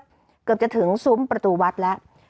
เกือบจะถึงซุ้มประตูวัดแล้ว